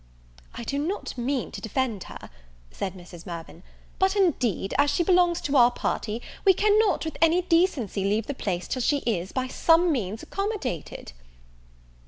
"I do not mean to defend her," said Mrs. Mirvan; "but indeed, as she belongs to our party, we cannot, with any decency, leave the place till she is, by some means, accommodated."